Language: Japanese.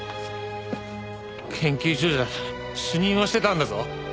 研究所じゃ主任をしてたんだぞ。